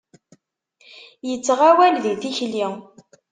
Yettɣawal di tikli.